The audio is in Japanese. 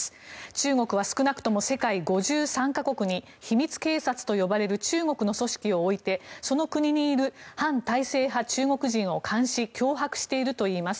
中国は少なくとも世界５３か国に秘密警察と呼ばれる中国の組織を置いてその国にいる反体制派中国人を監視・脅迫しているといいます。